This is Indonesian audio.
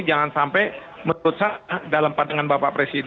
jangan sampai menurut saya dalam pandangan bapak presiden